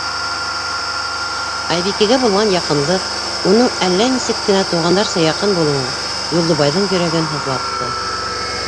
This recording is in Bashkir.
Айбикәгә булған яҡынлыҡ, уның әллә нисек кенә туғандарса яҡын булыуы Юлдыбайҙың йөрәген һыҙлатты.